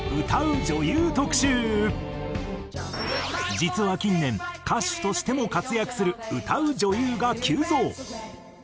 実は近年歌手としても活躍する歌う女優が急増。